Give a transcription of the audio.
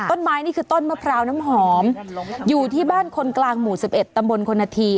นี่คือต้นมะพร้าวน้ำหอมอยู่ที่บ้านคนกลางหมู่๑๑ตำบลคนนาธี